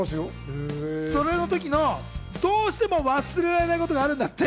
その時の、どうしても忘れられないことがあるんだって。